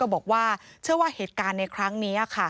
บอกว่าเชื่อว่าเหตุการณ์ในครั้งนี้